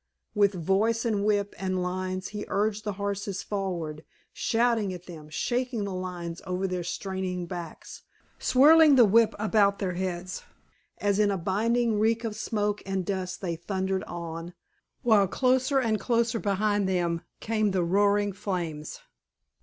With voice and whip and lines he urged the horses forward, shouting at them, shaking the lines over their straining backs, whirling the whip about their heads, as in a blinding reek of smoke and dust they thundered on, while closer and closer behind them came the roaring flames.